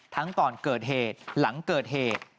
ก่อนเกิดเหตุหลังเกิดเหตุ